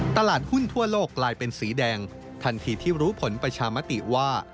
ตลาดหุ้นทั่วโลกกลายเป็นสีแดงทันทีที่รู้ผลประชามติว่า